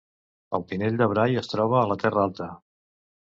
El Pinell de Brai es troba a la Terra Alta